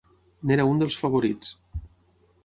N'era un dels favorits.